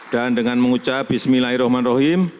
dan dengan mengucap bismillahirrahmanirrahim